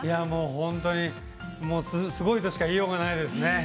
本当にすごいとしか言いようがないですね。